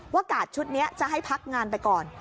กาดชุดนี้จะให้พักงานไปก่อน